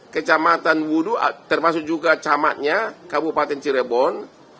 kecamatan wudhu termasuk juga camatnya kabupaten cirebon